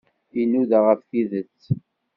Inuda ɣef tidet.